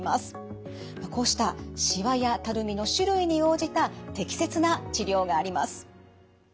こうしたしわやたるみの種類に応じた適切な治療があります。